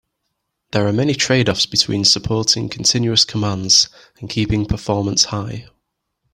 There are many trade-offs between supporting continuous commands and keeping performance high.